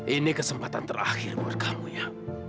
ini kesempatan terakhir buat kamu ya